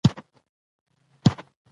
احمد د ډېر درد له مخې ټول ځان داغلی دی.